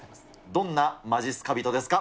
どんなまじっすか人ですか。